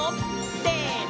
せの！